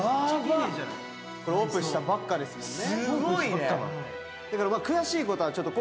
これオープンしたばっかですもんね。